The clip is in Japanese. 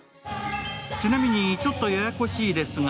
ちなみに、ちょっとややこしいですが、